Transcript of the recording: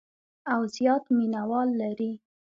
او زیات مینوال لري.